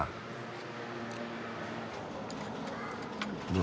どう？